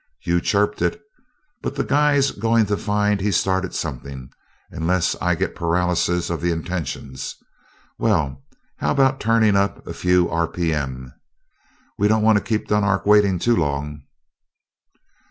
"You chirped it! But that guy's going to find he's started something, unless I get paralysis of the intentions. Well, how about turning up a few R. P. M.? We don't want to keep Dunark waiting too long."